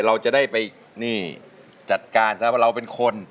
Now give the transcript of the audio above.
เราจะได้ไปจัดการนะครับว่าเราเป็นคน